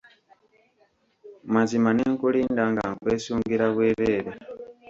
Mazima ne nkulinda nga nkwesungira bwereere.